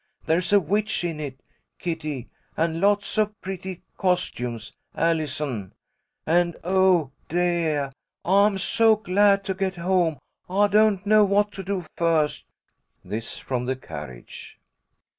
There's a witch in it, Kitty, and lots of pretty costumes, Allison. And, oh, deah, I'm so glad to get home I don't know what to do first!" This from the carriage.